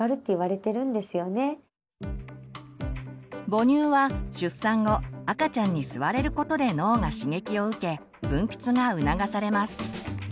母乳は出産後赤ちゃんに吸われることで脳が刺激を受け分泌が促されます。